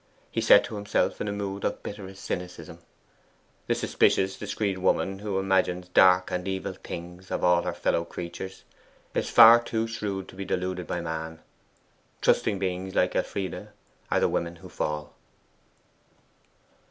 He said to himself, in a mood of the bitterest cynicism: 'The suspicious discreet woman who imagines dark and evil things of all her fellow creatures is far too shrewd to be deluded by man: trusting beings like Elfride are the women who fall.